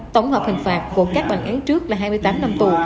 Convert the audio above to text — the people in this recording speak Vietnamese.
tổng hợp hình phạt của các bản án trước là hai mươi tám năm tù